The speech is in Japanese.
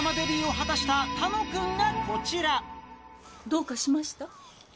どうかしました？